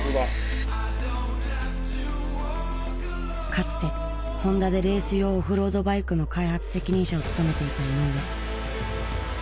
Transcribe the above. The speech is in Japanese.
かつてホンダでレース用オフロードバイクの開発責任者を務めていた井上。